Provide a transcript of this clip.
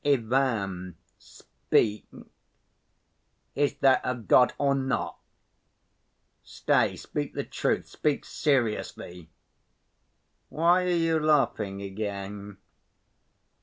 Ivan, speak, is there a God or not? Stay, speak the truth, speak seriously. Why are you laughing again?"